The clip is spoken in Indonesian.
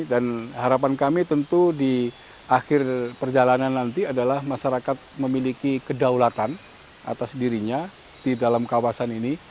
dan harapan kami tentu di akhir perjalanan nanti adalah masyarakat memiliki kedaulatan atas dirinya di dalam kawasan ini